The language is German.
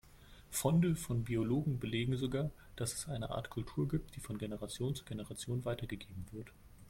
Funde von Biologen belegen sogar, dass es eine Art Kultur gibt, die von Generation zu Generation weitergegeben wird.